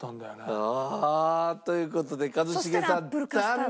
ああ！という事で一茂さん残念！